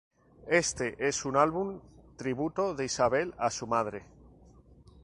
Este es un álbum tributo de Isabel a su madre.